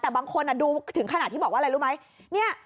แต่บางคนดูถึงขนาดที่บอกว่าอะไรรู้ไหม